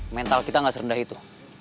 mental kita nggak serendah itu